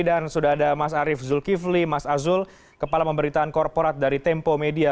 dan sudah ada mas arief zulkifli mas azul kepala pemberitaan korporat dari tempo media